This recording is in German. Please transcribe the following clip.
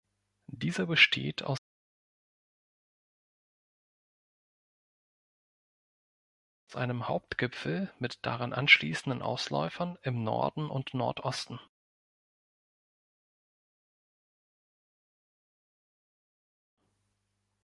Dieser besteht aus einem Hauptgipfel mit daran anschließenden Ausläufern im Norden und Nordosten.